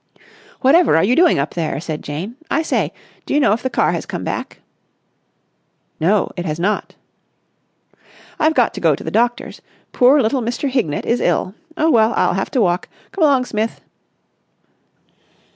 "Whatever are you doing up there?" said Jane. "I say, do you know if the car has come back?" "No. It has not." "I've got to go to the doctor's. Poor little Mr. Hignett is ill. Oh, well, I'll have to walk. Come along, Smith!"